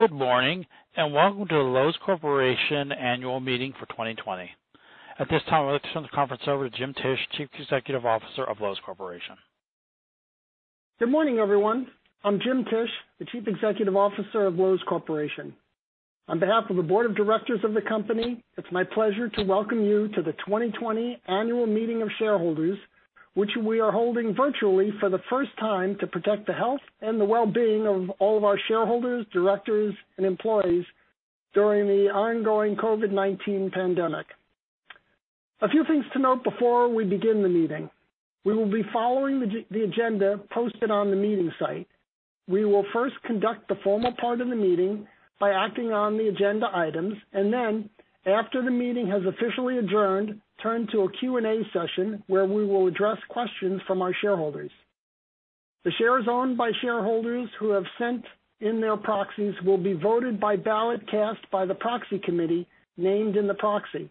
Good morning, and welcome to the Loews Corporation Annual Meeting for 2020. At this time, I'd like to turn the conference over to Jim Tisch, Chief Executive Officer of Loews Corporation. Good morning, everyone. I'm Jim Tisch, the Chief Executive Officer of Loews Corporation. On behalf of the Board of Directors of the company, it's my pleasure to welcome you to the 2020 Annual Meeting of Shareholders, which we are holding virtually for the first time to protect the health and the well-being of all of our shareholders, directors, and employees during the ongoing COVID-19 pandemic. A few things to note before we begin the meeting. We will be following the agenda posted on the meeting site. We will first conduct the formal part of the meeting by acting on the agenda items, and then, after the meeting has officially adjourned, turn to a Q&A session where we will address questions from our shareholders. The shares owned by shareholders who have sent in their proxies will be voted by ballot cast by the Proxy Committee named in the proxy.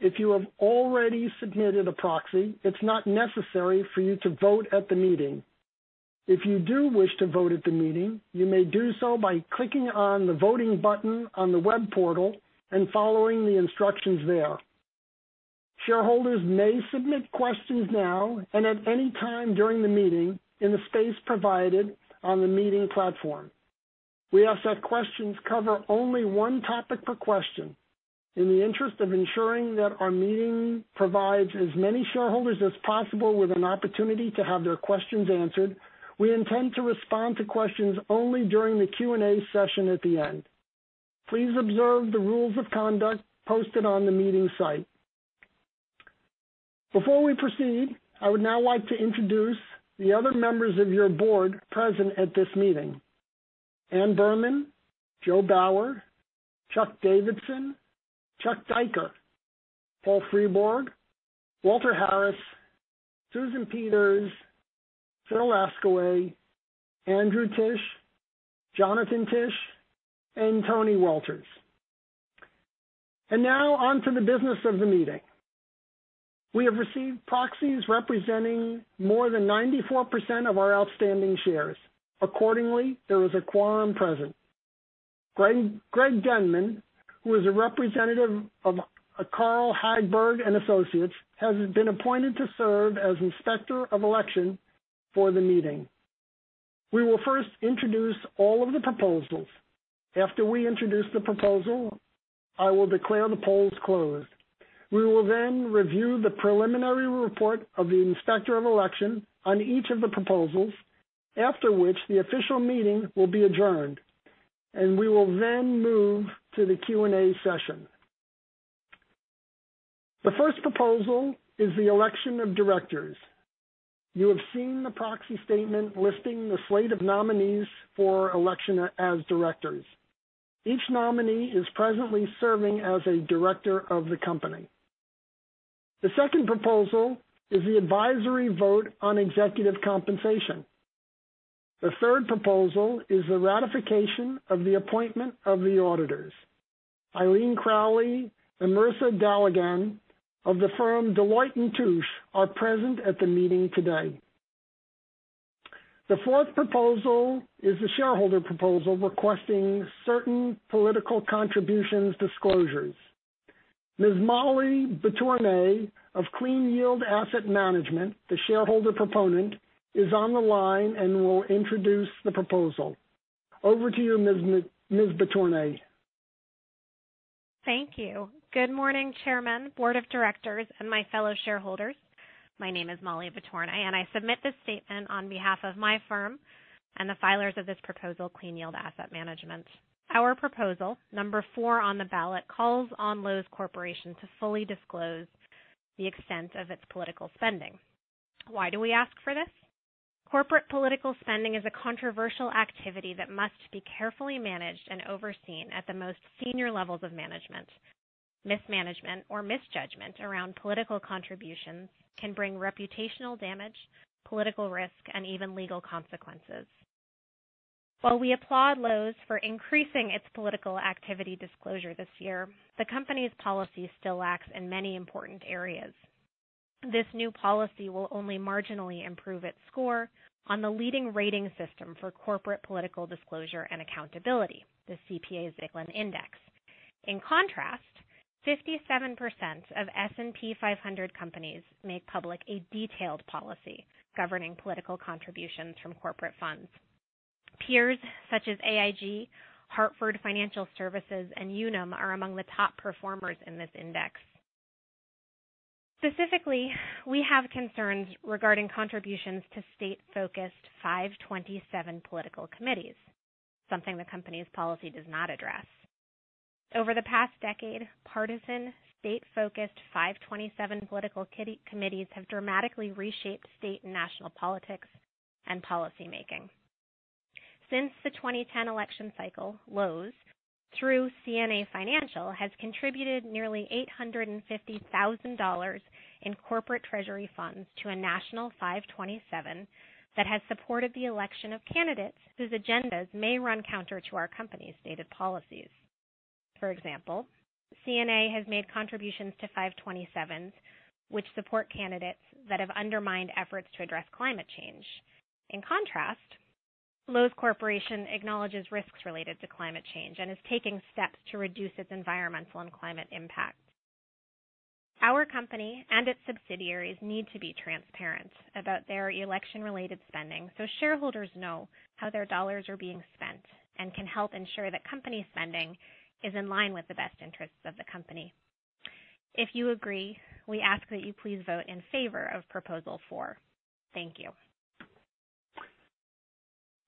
If you have already submitted a proxy, it is not necessary for you to vote at the meeting. If you do wish to vote at the meeting, you may do so by clicking on the Voting button on the web portal and following the instructions there. Shareholders may submit questions now and at any time during the meeting in the space provided on the meeting platform. We ask that questions cover only one topic per question. In the interest of ensuring that our meeting provides as many shareholders as possible with an opportunity to have their questions answered, we intend to respond to questions only during the Q&A session at the end. Please observe the rules of conduct posted on the meeting site. Before we proceed, I would now like to introduce the other members of your board present at this meeting. Ann Berman, Joe Bower, Chuck Davidson, Chuck Diker, Paul Fribourg, Walter Harris, Susan Peters, Phil Laskawy, Andrew Tisch, Jonathan Tisch, and Tony Welters. Now on to the business of the meeting. We have received proxies representing more than 94% of our outstanding shares. Accordingly, there is a quorum present. Greg Denman, who is a representative of Carl Hagberg and Associates, has been appointed to serve as Inspector of Election for the meeting. We will first introduce all of the proposals. After we introduce the proposal, I will declare the polls closed. We will then review the preliminary report of the Inspector of Election on each of the proposals, after which the official meeting will be adjourned, and we will then move to the Q&A session. The first proposal is the election of directors. You have seen the proxy statement listing the slate of nominees for election as directors. Each nominee is presently serving as a director of the company. The second proposal is the advisory vote on executive compensation. The third proposal is the ratification of the appointment of the auditors. Eileen Crowley and Marissa Daligan of the firm Deloitte & Touche are present at the meeting today. The fourth proposal is a shareholder proposal requesting certain political contributions disclosures. Ms. Molly Betournay of Clean Yield Asset Management, the shareholder proponent, is on the line and will introduce the proposal. Over to you, Ms. Betournay. Thank you. Good morning, Chairman, Board of Directors, and my fellow shareholders. My name is Molly Betournay. I submit this statement on behalf of my firm and the filers of this proposal, Clean Yield Asset Management. Our proposal, number four on the ballot, calls on Loews Corporation to fully disclose the extent of its political spending. Why do we ask for this? Corporate political spending is a controversial activity that must be carefully managed and overseen at the most senior levels of management. Mismanagement or misjudgment around political contributions can bring reputational damage, political risk, and even legal consequences. While we applaud Loews for increasing its political activity disclosure this year, the company's policy still lacks in many important areas. This new policy will only marginally improve its score on the leading rating system for corporate political disclosure and accountability, the CPA-Zicklin Index. In contrast, 57% of S&P 500 companies make public a detailed policy governing political contributions from corporate funds. Peers such as AIG, Hartford Financial Services, and Unum are among the top performers in this index. Specifically, we have concerns regarding contributions to state-focused 527 political committees, something the company's policy does not address. Over the past decade, partisan state-focused 527 political committees have dramatically reshaped state and national politics and policymaking. Since the 2010 election cycle, Loews, through CNA Financial, has contributed nearly $850,000 in corporate treasury funds to a national 527 that has supported the election of candidates whose agendas may run counter to our company's stated policies. For example, CNA has made contributions to 527s, which support candidates that have undermined efforts to address climate change. In contrast, Loews Corporation acknowledges risks related to climate change and is taking steps to reduce its environmental and climate impact. Our company and its subsidiaries need to be transparent about their election-related spending so shareholders know how their dollars are being spent and can help ensure that company spending is in line with the best interests of the company. If you agree, we ask that you please vote in favor of Proposal Four. Thank you.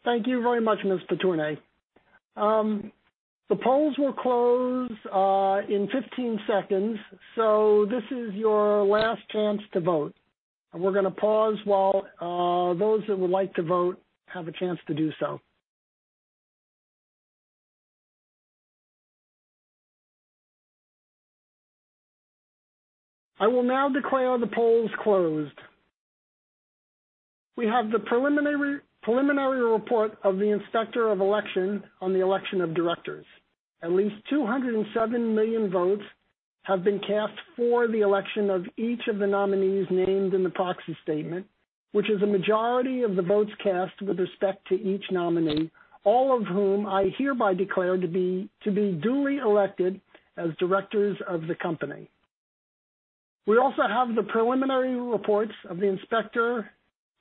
Thank you very much, Ms. Betournay. The polls will close in 15 seconds. This is your last chance to vote. We're going to pause while those that would like to vote have a chance to do so. I will now declare the polls closed. We have the preliminary report of the Inspector of Election on the election of directors. At least 207 million votes have been cast for the election of each of the nominees named in the proxy statement, which is a majority of the votes cast with respect to each nominee, all of whom I hereby declare to be duly elected as directors of the company. We also have the preliminary reports of the inspector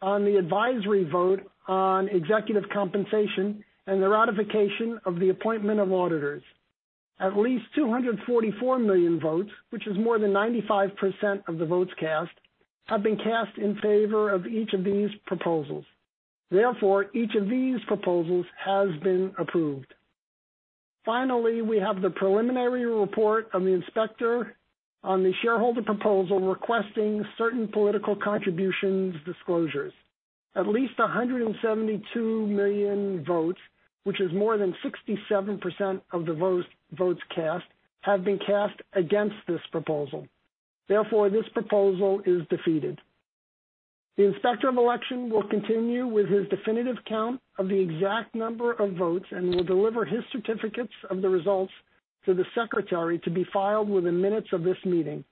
on the advisory vote on executive compensation and the ratification of the appointment of auditors. At least 244 million votes, which is more than 95% of the votes cast, have been cast in favor of each of these proposals. Therefore, each of these proposals has been approved. Finally, we have the preliminary report of the Inspector of Election on the shareholder proposal requesting certain political contributions disclosures. At least 172 million votes, which is more than 67% of the votes cast, have been cast against this proposal. Therefore, this proposal is defeated. The Inspector of Election will continue with his definitive count of the exact number of votes and will deliver his certificates of the results to the Secretary to be filed within minutes of this meeting.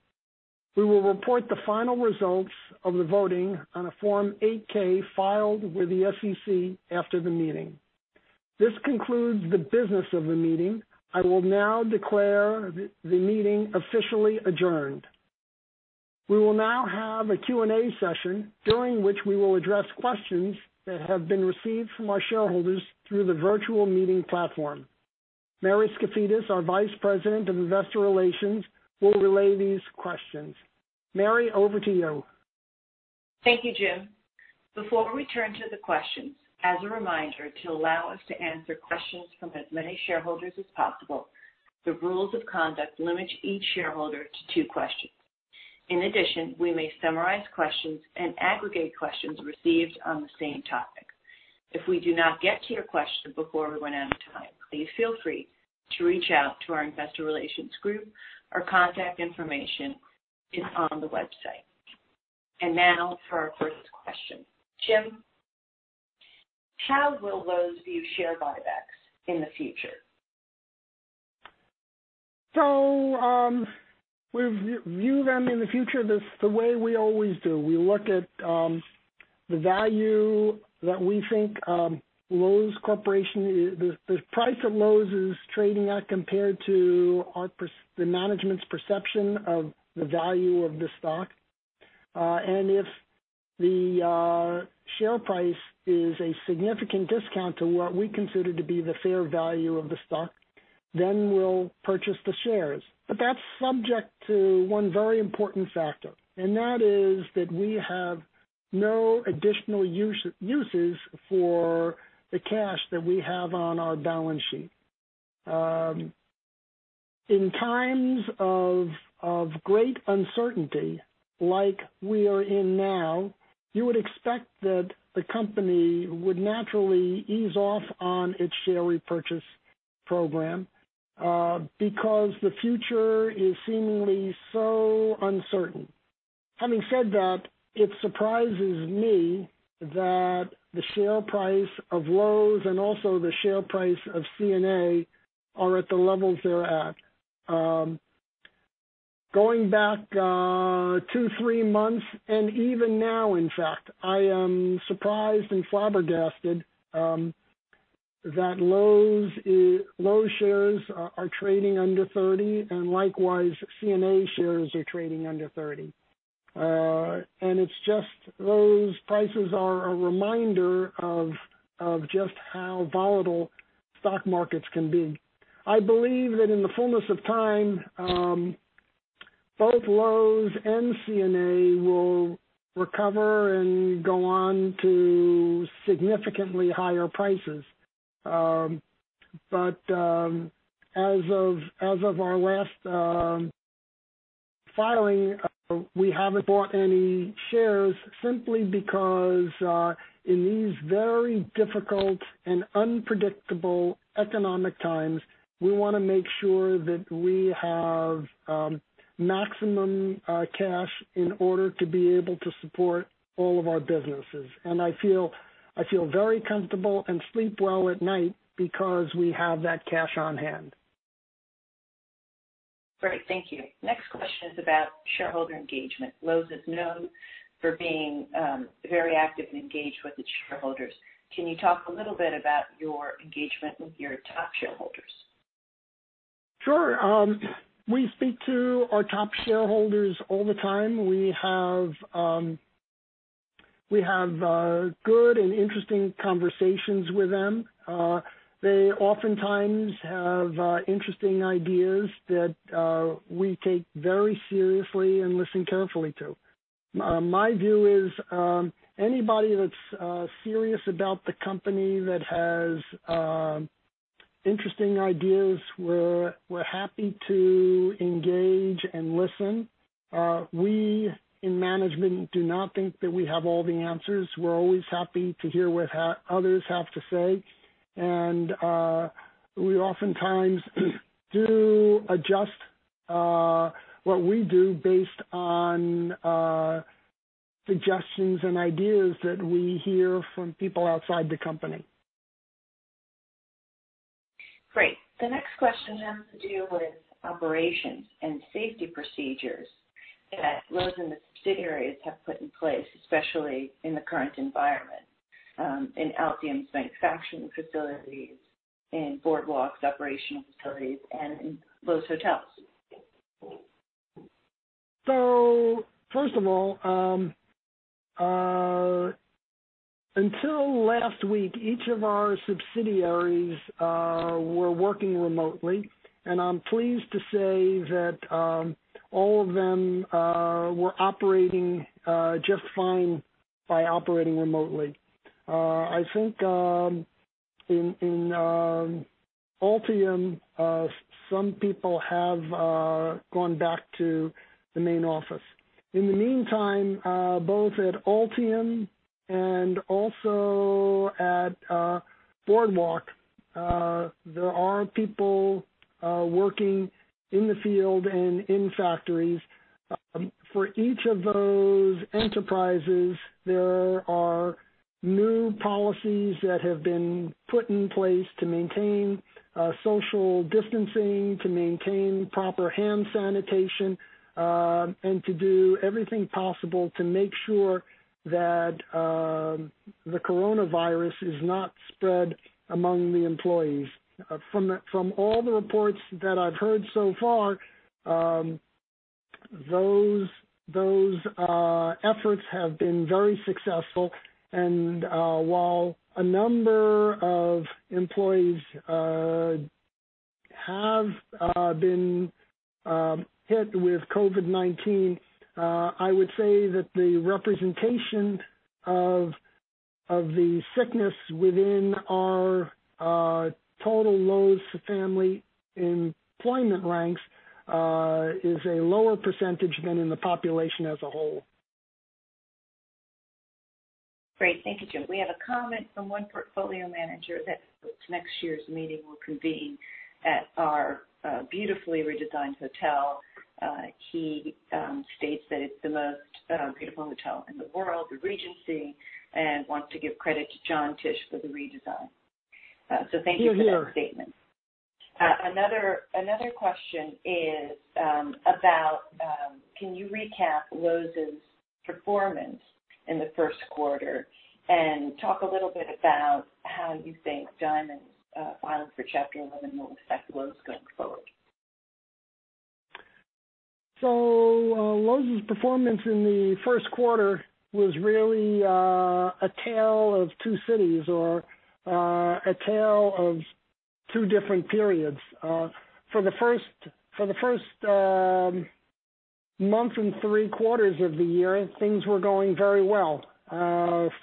We will report the final results of the voting on a Form 8-K filed with the SEC after the meeting. This concludes the business of the meeting. I will now declare the meeting officially adjourned. We will now have a Q&A session, during which we will address questions that have been received from our shareholders through the virtual meeting platform. Mary Skafidas, our Vice President of Investor Relations, will relay these questions. Mary, over to you. Thank you, Jim. Before we turn to the questions, as a reminder, to allow us to answer questions from as many shareholders as possible, the rules of conduct limit each shareholder to two questions. In addition, we may summarize questions and aggregate questions received on the same topic. If we do not get to your question before we run out of time, please feel free to reach out to our investor relations group. Our contact information is on the website. Now for our first question. Jim, how will Loews view share buybacks in the future? We view them in the future the way we always do. We look at the value that we think the price of Loews is trading at compared to the management's perception of the value of the stock. If the share price is a significant discount to what we consider to be the fair value of the stock, then we'll purchase the shares. That's subject to one very important factor, and that is that we have no additional uses for the cash that we have on our balance sheet. In times of great uncertainty like we are in now, you would expect that the company would naturally ease off on its share repurchase program, because the future is seemingly so uncertain. Having said that, it surprises me that the share price of Loews and also the share price of CNA are at the levels they're at. Going back two, three months, and even now, in fact, I am surprised and flabbergasted that Loews shares are trading under $30, and likewise, CNA shares are trading under $30. It's just those prices are a reminder of just how volatile stock markets can be. I believe that in the fullness of time, both Loews and CNA will recover and go on to significantly higher prices. As of our last filing, we haven't bought any shares simply because in these very difficult and unpredictable economic times, we want to make sure that we have maximum cash in order to be able to support all of our businesses. I feel very comfortable and sleep well at night because we have that cash on hand. Great. Thank you. Next question is about shareholder engagement. Loews Corporation is known for being very active and engaged with its shareholders. Can you talk a little bit about your engagement with your top shareholders? Sure. We speak to our top shareholders all the time. We have good and interesting conversations with them. They oftentimes have interesting ideas that we take very seriously and listen carefully to. My view is anybody that's serious about the company that has interesting ideas, we're happy to engage and listen. We, in management, do not think that we have all the answers. We're always happy to hear what others have to say. We oftentimes do adjust what we do based on suggestions and ideas that we hear from people outside the company. Great. The next question has to do with operations and safety procedures that Loews and the subsidiaries have put in place, especially in the current environment, in Altium's manufacturing facilities, in Boardwalk's operational facilities, and in Loews Hotels. First of all, until last week, each of our subsidiaries were working remotely, and I'm pleased to say that all of them were operating just fine by operating remotely. I think in Altium, some people have gone back to the main office. In the meantime, both at Altium and also at Boardwalk, there are people working in the field and in factories. For each of those enterprises, there are new policies that have been put in place to maintain social distancing, to maintain proper hand sanitation, and to do everything possible to make sure that the coronavirus is not spread among the employees. From all the reports that I've heard so far, those efforts have been very successful. While a number of employees have been hit with COVID-19, I would say that the representation of the sickness within our total Loews family employment ranks is a lower percentage than in the population as a whole. Great. Thank you, Jim. We have a comment from one portfolio manager that hopes next year's meeting will convene at our beautifully redesigned hotel. He states that it's the most beautiful hotel in the world, the Regency, and wants to give credit to Jon Tisch for the redesign. Thank you for that statement. Another question is can you recap Loews's performance in the first quarter and talk a little bit about how you think Diamond filing for Chapter 11 will affect Loews going forward? Loews' performance in the first quarter was really a tale of two cities or a tale of two different periods. For the first month and three quarters of the year, things were going very well,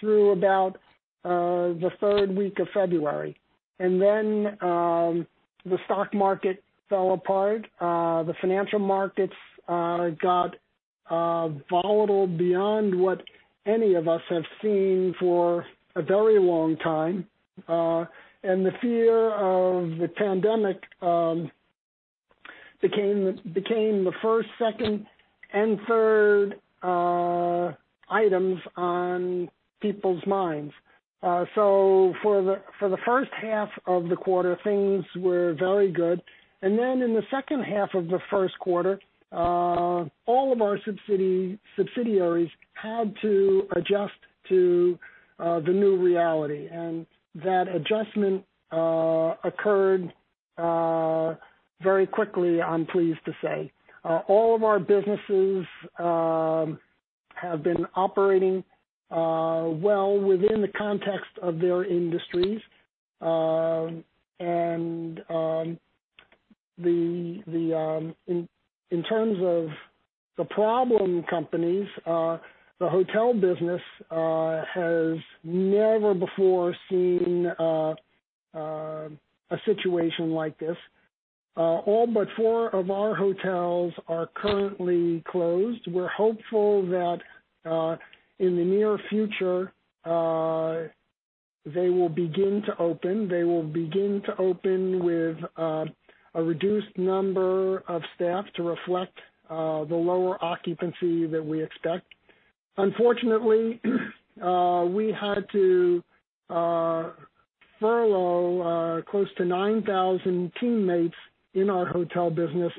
through about the third week of February. The stock market fell apart. The financial markets got volatile beyond what any of us have seen for a very long time. The fear of the pandemic became the first, second, and third items on people's minds. For the first half of the quarter, things were very good. In the second half of the first quarter, all of our subsidiaries had to adjust to the new reality, and that adjustment occurred very quickly, I'm pleased to say. All of our businesses have been operating well within the context of their industries. In terms of the problem companies, the hotel business has never before seen a situation like this. All but four of our hotels are currently closed. We're hopeful that in the near future, they will begin to open. They will begin to open with a reduced number of staff to reflect the lower occupancy that we expect. Unfortunately, we had to furlough close to 9,000 teammates in our hotel business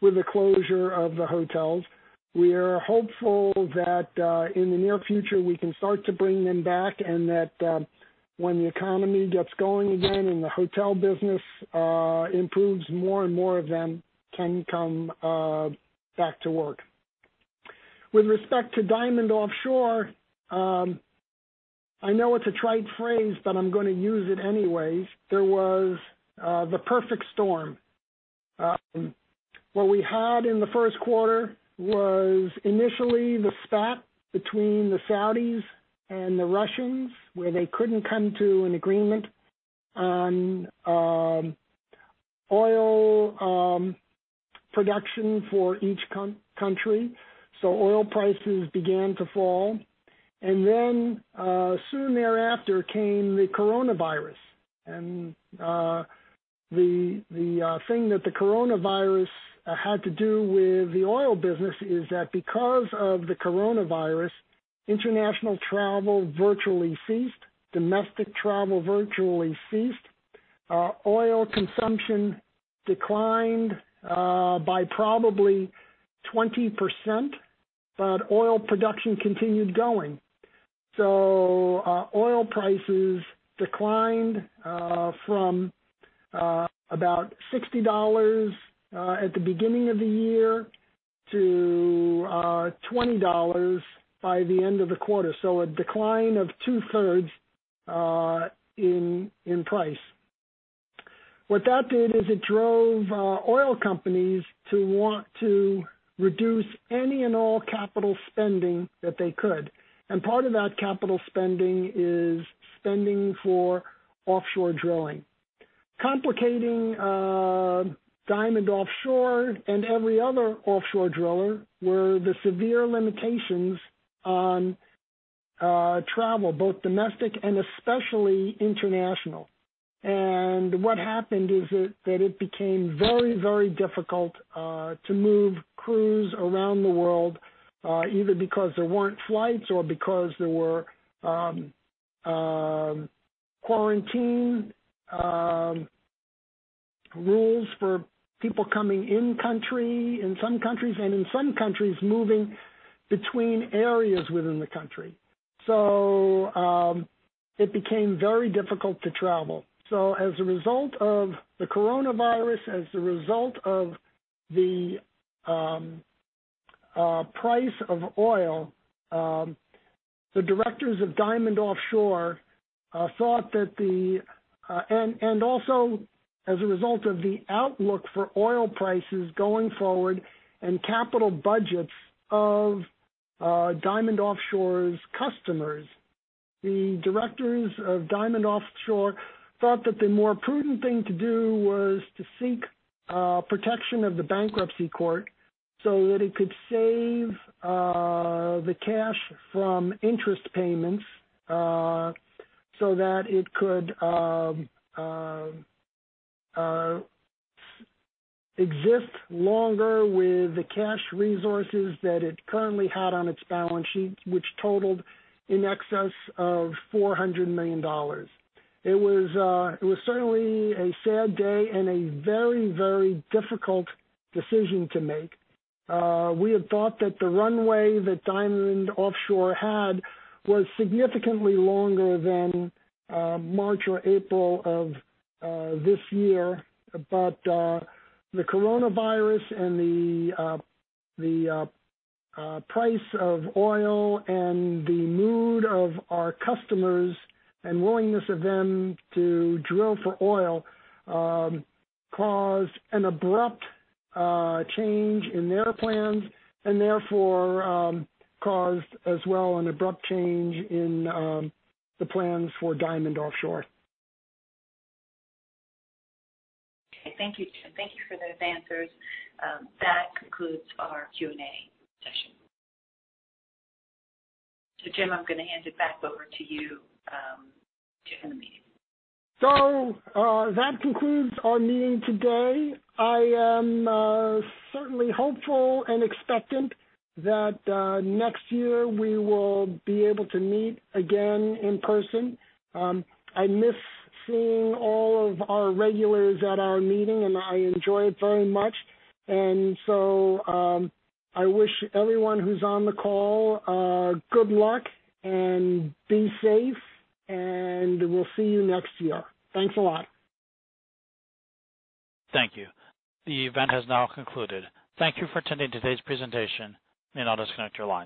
with the closure of the hotels. We are hopeful that in the near future, we can start to bring them back and that when the economy gets going again and the hotel business improves, more and more of them can come back to work. With respect to Diamond Offshore, I know it's a trite phrase, but I'm going to use it anyways. There was the perfect storm. What we had in the first quarter was initially the spat between the Saudis and the Russians, where they couldn't come to an agreement on oil production for each country. Oil prices began to fall. Soon thereafter came the coronavirus. The thing that the coronavirus had to do with the oil business is that because of the coronavirus, international travel virtually ceased. Domestic travel virtually ceased. Oil consumption declined by probably 20%, but oil production continued going. Oil prices declined from about $60 at the beginning of the year to $20 by the end of the quarter. A decline of two-thirds in price. What that did is it drove oil companies to want to reduce any and all capital spending that they could. Part of that capital spending is spending for offshore drilling. Complicating Diamond Offshore and every other offshore driller were the severe limitations on travel, both domestic and especially international. What happened is that it became very difficult to move crews around the world, either because there weren't flights or because there were quarantine rules for people coming in country in some countries and in some countries moving between areas within the country. It became very difficult to travel. As a result of the coronavirus, as a result of the price of oil, the directors of Diamond Offshore, and also as a result of the outlook for oil prices going forward and capital budgets of Diamond Offshore's customers. The directors of Diamond Offshore thought that the more prudent thing to do was to seek protection of the bankruptcy court so that it could save the cash from interest payments so that it could exist longer with the cash resources that it currently had on its balance sheet, which totaled in excess of $400 million. It was certainly a sad day and a very difficult decision to make. We had thought that the runway that Diamond Offshore had was significantly longer than March or April of this year. The coronavirus and the price of oil and the mood of our customers and willingness of them to drill for oil caused an abrupt change in their plans and therefore caused as well an abrupt change in the plans for Diamond Offshore. Okay. Thank you, Jim. Thank you for those answers. That concludes our Q&A session. Jim, I'm going to hand it back over to you to end the meeting. That concludes our meeting today. I am certainly hopeful and expectant that next year we will be able to meet again in person. I miss seeing all of our regulars at our meeting, and I enjoy it very much. I wish everyone who's on the call good luck and be safe, and we'll see you next year. Thanks a lot. Thank you. The event has now concluded. Thank you for attending today's presentation, and I'll disconnect your line.